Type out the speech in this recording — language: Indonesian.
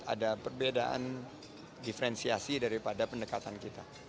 ada perbedaan diferensiasi daripada pendekatan kita